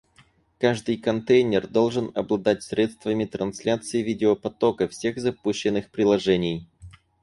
Каждый контейнер должен обладать средствами трансляции видеопотока всех запущенных приложений